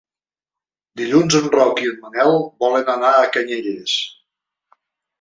Dilluns en Roc i en Manel volen anar a Canyelles.